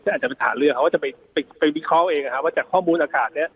อาจจะเป็นฐานเรือเขาจะไปไปวิเคราะห์เองนะฮะว่าจากข้อมูลอากาศเนี้ย